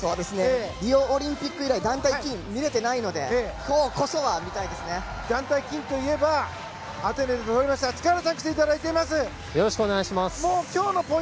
リオオリンピック以来団体金をとれていないので団体金といえばアテネでとりました塚原さんに来ていただいています。